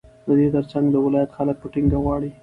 ددې ترڅنگ د ولايت خلك په ټينگه غواړي،